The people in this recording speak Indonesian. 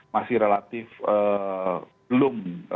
masih relatif belum